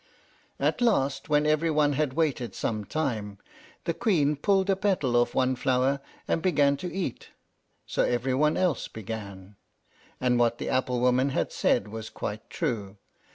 At last, when every one had waited some time, the Queen pulled a petal off one flower, and began to eat, so every one else began; and what the apple woman had said was quite true.